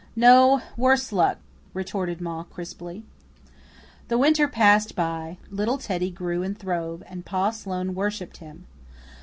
"No, worse luck!" retorted Ma crisply. The winter passed by. Little Teddy grew and throve, and Pa Sloane worshipped him.